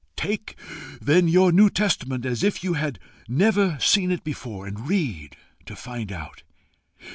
Take then your New Testament as if you had never seen it before, and read to find out.